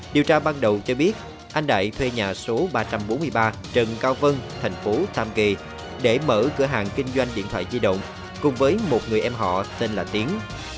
điều tra ban đầu cho biết anh đại thuê nhà số ba trăm bốn mươi ba trần cao vân thành phố tam kỳ để mở cửa hàng kinh doanh điện thoại di động cùng với một người em họ tên là tiến